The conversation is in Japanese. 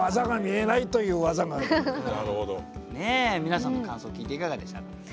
皆さんの感想聞いていかがでしたか？